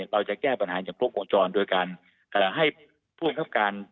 เราจะแก้ปัญหาจากพวกโขงจรโดยการให้ผู้ครับการ